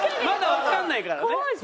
まだわかんないからね。